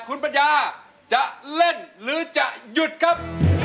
คุณปัญญาจะเล่นหรือจะหยุดครับ